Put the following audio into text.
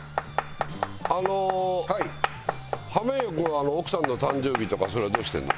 あの濱家君は奥さんの誕生日とかそういうのはどうしてるの？